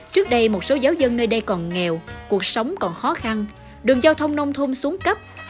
trước đây một số giáo dân nơi đây còn nghèo cuộc sống còn khó khăn đường giao thông nông thôn xuống cấp